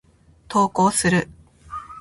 投稿する。